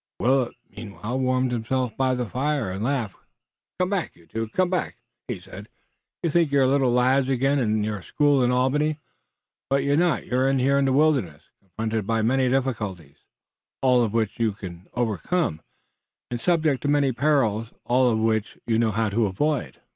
Willet meanwhile warmed himself by the fire and laughed. "Come back, you two," he said. "You think you're little lads again at your school in Albany, but you're not. You're here in the wilderness, confronted by many difficulties, all of which you can overcome, and subject to many perils, all of which you know how to avoid."